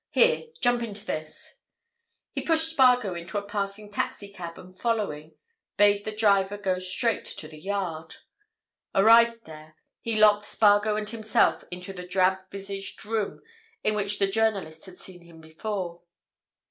Here, jump into this!" He pushed Spargo into a passing taxi cab, and following, bade the driver go straight to the Yard. Arrived there, he locked Spargo and himself into the drab visaged room in which the journalist had seen him before.